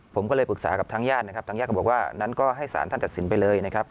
ผมก็เลยปรึกษากับทางญาตินะครับทางญาติก็บอกว่านั้นก็ให้สารท่านตัดสินไปเลยนะครับ